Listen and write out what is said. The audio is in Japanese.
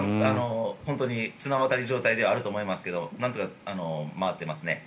綱渡り状態ではあると思いますがなんとか回ってますね。